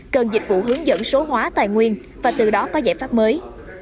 cần dịch vụ hướng dẫn số hóa tài nguyên và từ đó có giải pháp mới